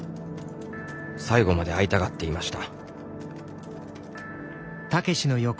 最後まで会いたがっていました